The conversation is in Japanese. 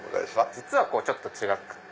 実はちょっと違って。